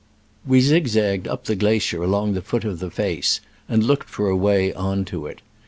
We zigzagged up the glacier along the foot of the face, and looked for a way on to it.